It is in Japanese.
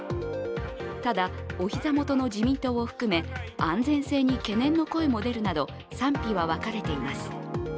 ただ、お膝元の自民党を含め安全性に懸念の声も出るなど賛否は分かれています。